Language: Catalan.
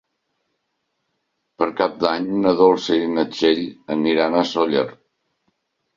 Per Cap d'Any na Dolça i na Txell aniran a Sóller.